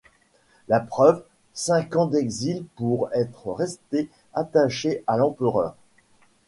La preuve : cinq ans d'exil pour être resté attaché à l'empereur.